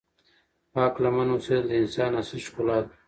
پاک لمن اوسېدل د انسان اصلی ښکلا ده.